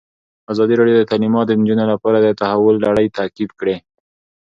ازادي راډیو د تعلیمات د نجونو لپاره د تحول لړۍ تعقیب کړې.